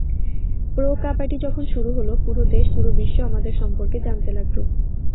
প্রো-কাবাডি যখন শুরু হলো, পুরো দেশ, পুরো বিশ্ব আমাদের সম্পর্কে জানতে লাগল।